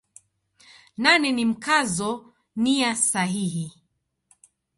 Nane ni Mkazo nia sahihi.